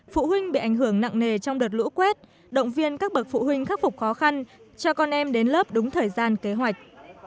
phụ huynh bị ảnh hưởng nặng nề trong đợt lũ quét động viên các bậc phụ huynh khắc phục khó khăn cho con em đến lớp đúng thời gian kế hoạch